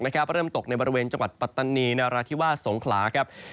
เริ่มตกในบริเวณจังหวัดปัตตานีนาราธิวาสสงขลาครับ